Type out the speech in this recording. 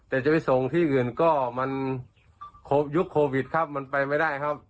แต่จะไปส่งที่อื่นก็มันยุคโควิดครับมันไปไม่ได้ครับ